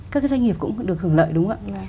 các cái doanh nghiệp cũng được hưởng lợi đúng không ạ